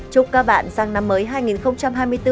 chúc các bạn sang năm mới hai nghìn hai mươi bốn